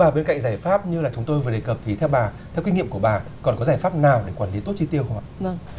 bên cạnh giải pháp như chúng tôi vừa đề cập thì theo kinh nghiệm của bà còn có giải pháp nào để quản lý tốt chi tiêu không ạ